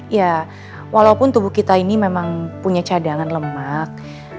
ya walaupun tubuh kita ini memang punya cadangan lemak